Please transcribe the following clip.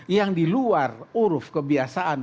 yang di luar uruf kebiasaan